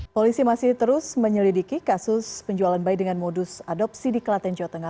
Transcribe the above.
polisi masih terus menyelidiki kasus penjualan bayi dengan modus adopsi di kelaten jawa tengah